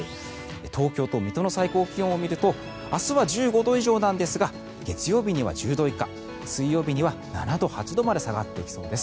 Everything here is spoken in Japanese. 東京と水戸の最高気温を見ると明日は１５度以上なんですが月曜日には１０度以下水曜日には７度、８度まで下がってきそうです。